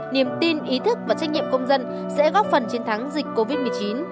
niềm tin ý thức và trách nhiệm công dân sẽ góp phần chiến thắng dịch covid một mươi chín